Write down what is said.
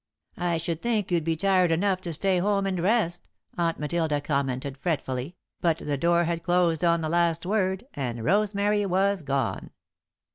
"I should think you'd be tired enough to stay home and rest," Aunt Matilda commented, fretfully, but the door had closed on the last word, and Rosemary was gone.